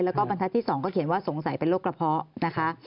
แล้วก็บรรทัศน์ที่๒ก็เขียนว่าสงสัยเป็นโรคกระเพาะนะคะ